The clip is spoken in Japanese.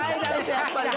やっぱりな。